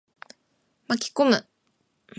巻き込む。